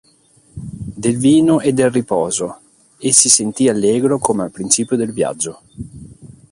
Del vino e del riposo, e si sentì allegro come al principio del viaggio.